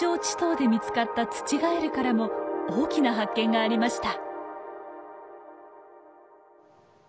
溏で見つかったツチガエルからも大きな発見がありました。